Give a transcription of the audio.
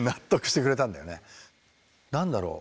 何だろう？